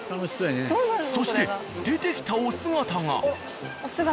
そして出てきたお姿が。